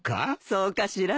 そうかしらね。